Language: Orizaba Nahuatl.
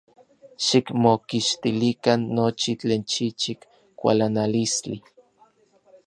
Xikmokixtilikan nochi tlen chichik kualanalistli.